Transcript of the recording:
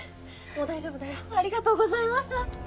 もう大丈夫だよありがとうございました